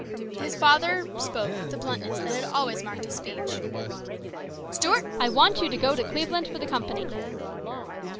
His father spoke with the bluntness that always marked his speech. "Stuart, I want you to go to Cleveland for the company.